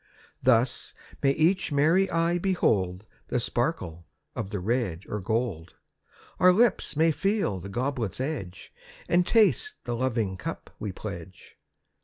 Thus may each merry eye behold The sparkle of the red or gold. Our lips may feel the goblet's edge And taste the loving cup we pledge.